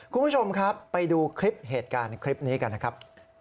คุณผู้ชมครับไปดูคลิปเหตุการณ์คลิปนี้กันนะครับ